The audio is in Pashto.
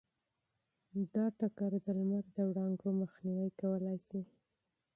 دا ټکر د لمر د وړانګو مخنیوی کولی شي.